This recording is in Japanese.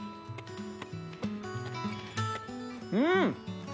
うん！